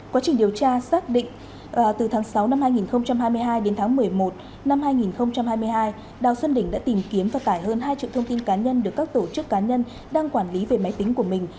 quá trình điều tra xác định từ tháng sáu năm hai nghìn hai mươi hai đến tháng một mươi một năm hai nghìn hai mươi hai đào xuân đình đã tìm kiếm và tải hơn hai triệu thông tin cá nhân được các tổ chức cá nhân đang quản lý về máy tính của mình